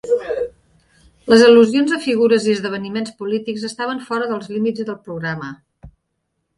Les al·lusions a figures i esdeveniments polítics estaven fora dels límits del programa.